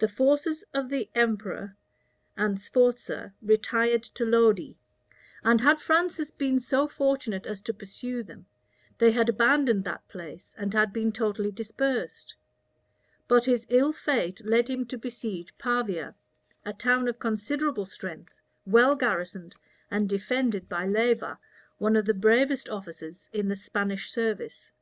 The forces of the emperor and Sforza retired to Lodi; and had Francis been so fortunate as to pursue them, they had abandoned that place, and had been totally dispersed;[*] but his ill fate led him to besiege Pavia, a town of considerable strength, well garrisoned, and defended by Leyva, one of the bravest officers in the Spanish service.